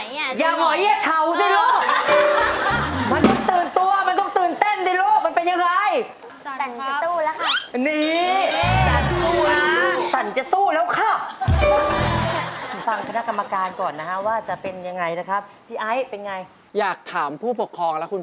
หนุ่มหนุ่มเบาสาวปาดหนุ่มหนุ่มเบากับสาวปาดสองการหัวใจเหยียวกันร่วมสร้างตำนานรักฮอระฮด